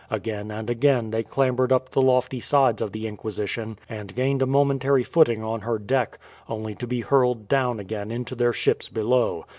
Again and again they clambered up the lofty sides of the Inquisition and gained a momentary footing on her deck, only to be hurled down again into their ships below.